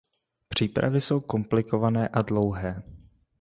Přípravy jsou komplikované a dlouhé.